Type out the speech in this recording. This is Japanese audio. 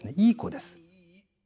いい子です。